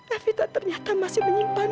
evita ternyata masih menyimpan